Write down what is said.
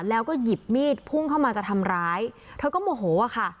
แล้วก็หยิบมีดพุ่งเข้ามาจะทำร้ายเธอก็โมโหอะค่ะ